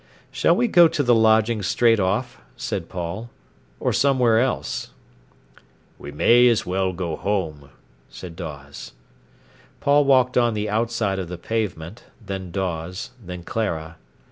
"Shall we go to the lodging straight off," said Paul, "or somewhere else?" "We may as well go home," said Dawes. Paul walked on the outside of the pavement, then Dawes, then Clara.